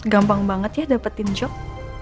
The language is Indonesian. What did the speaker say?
gampang banget ya dapetin jok